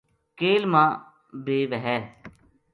کیلا ما بے وھے